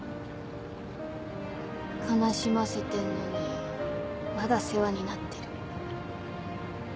悲しませてんのにまだ世話になってる。